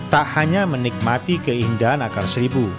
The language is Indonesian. tak hanya menikmati keindahan akar seribu